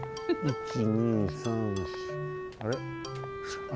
１２３４あれ？